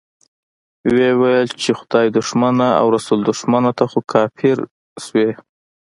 ويې ويل چې خدای دښمنه او رسول دښمنه، ته خو کافر شوې.